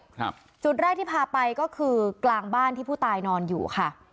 ครับจุดแรกที่พาไปก็คือกลางบ้านที่ผู้ตายนอนอยู่ค่ะ